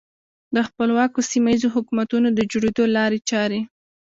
د خپلواکو سیمه ییزو حکومتونو د جوړېدو لارې چارې.